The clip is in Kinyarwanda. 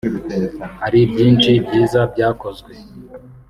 Hari byinshi byiza byakozwe